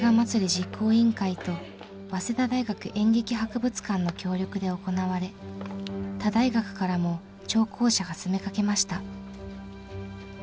実行委員会と早稲田大学演劇博物館の協力で行われ他大学からも聴講者が詰めかけました。